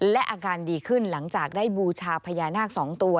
และอาการดีขึ้นหลังจากได้บูชาพญานาค๒ตัว